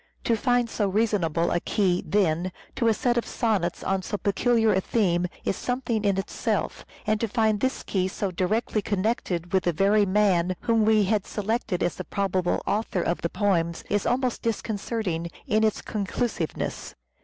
To find so reasonable a key, then, to a set of sonnets on so peculiar a theme is something in itself ; and to find this key so directly connected with the very man whom we had selected as the probable author of the poems is almost disconcerting in its conclusive ness.